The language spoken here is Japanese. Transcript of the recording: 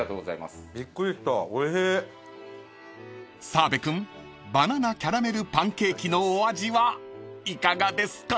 ［澤部君バナナキャラメルパンケーキのお味はいかがですか？］